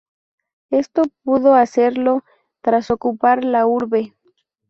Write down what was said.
Esto pudo hacerlo tras ocupar la urbe.